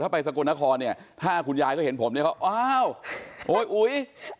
ถ้าไปสกลนครถ้าคุณยายเห็นผมเขาอ้าวโห้ยอุ๊ย